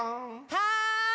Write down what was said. はい！